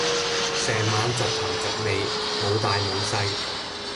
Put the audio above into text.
成晚窒頭窒尾，冇大冇細